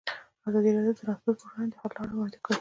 ازادي راډیو د ترانسپورټ پر وړاندې د حل لارې وړاندې کړي.